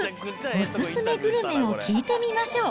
お勧めグルメを聞いてみましょう。